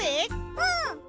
うん。